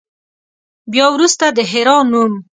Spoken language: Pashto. بیا وروسته د حرا نوم.